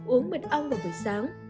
một uống mật ong vào buổi sáng